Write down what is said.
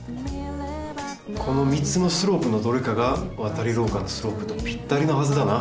この３つのスロープのどれかがわたりろうかのスロープとぴったりなはずだな。